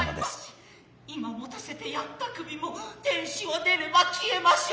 今持たせて遣つた首も天守を出れば消えませう。